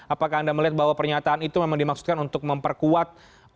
apakah anda melihat bahwa pernyataan itu memang dimaksudkan untuk memperkuat